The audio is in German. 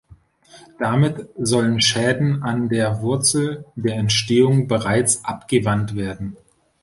Damit sollen Schäden an der Wurzel der Entstehung bereits abgewandt werden.